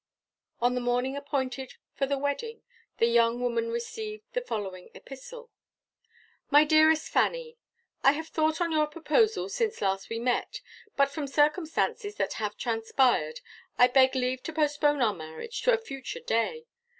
On the morning appointed for the wedding, the young woman received the following epistle: "MY DEAREST FANNY. I have thought on your proposal since last we met, but from circumstances that have transpired, I beg leave to postpone our marriage to a future day.